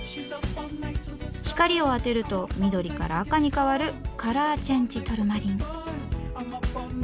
光を当てると緑から赤に変わるカラーチェンジトルマリン。